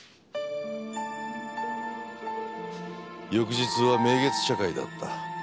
翌日は名月茶会だった。